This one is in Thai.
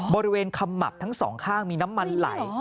ขมับทั้งสองข้างมีน้ำมันไหล